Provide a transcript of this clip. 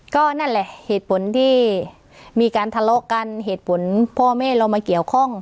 ก็นั่นแหละเหตุผลที่มีการทะเลาะกันเหตุผลพ่อแม่เรามาเกี่ยวข้อง